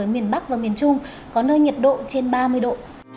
ở miền bắc và miền trung có nơi nhiệt độ trên ba mươi độ